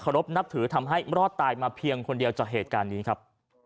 รบนับถือทำให้รอดตายมาเพียงคนเดียวจากเหตุการณ์นี้ครับ